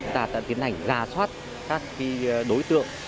tạ tận tiến hành ra soát các đối tượng